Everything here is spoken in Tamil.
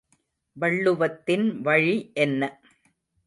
வள்ளுவத்தின் வழி என்ன?